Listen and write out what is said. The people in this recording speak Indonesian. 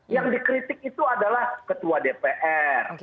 yang dikritik itu adalah ketua dpr